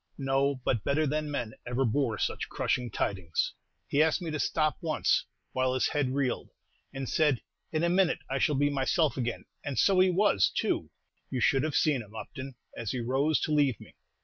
No, but better than man ever bore such crushing tidings." "He asked me to stop once, while his head reeled, and said, 'In a minute I shall be myself again,' and so he was, too; you should have seen him, Upton, as he rose to leave me.